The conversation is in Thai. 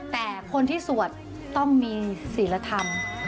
แต่คนที่สวดต้องมีศิลธรรม